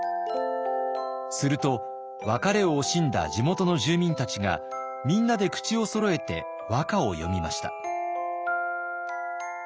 すると別れを惜しんだ地元の住民たちがみんなで口をそろえて和歌を詠みました。